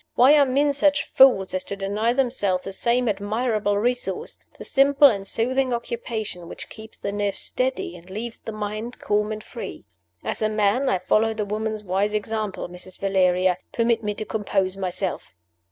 Why are men such fools as to deny themselves the same admirable resource the simple and soothing occupation which keeps the nerves steady and leaves the mind calm and free? As a man, I follow the woman's wise example. Mrs. Valeria, permit me to compose myself."